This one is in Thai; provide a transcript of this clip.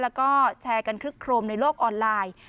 แล้วก็แชร์กันคึกโครมในโลกออนไลน์